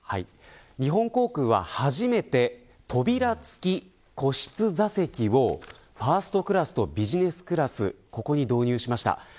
日本航空は、初めて扉付き個室座席をファーストクラスとビジネスクラスここに導入しました。